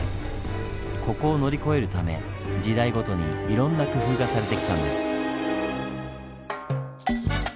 ここを乗り越えるため時代ごとにいろんな工夫がされてきたんです。